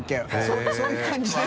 そういう感じね。